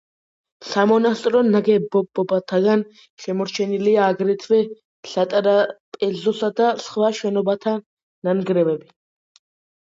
სამონასტრო ნაგებობათაგან შემორჩენილია აგრეთვე სატრაპეზოსა და სხვა შენობათა ნანგრევები.